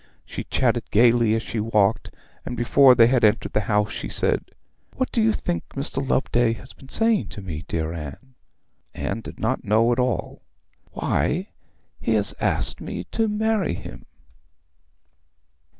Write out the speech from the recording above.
She chatted gaily as she walked, and before they had entered the house she said, 'What do you think Mr Loveday has been saying to me, dear Anne?' Anne did not know at all. 'Why, he has asked me to marry him.'